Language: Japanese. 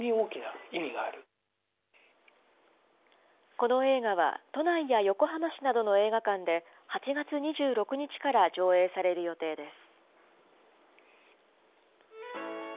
この映画は、都内や横浜市などの映画館で８月２６日から上映される予定です。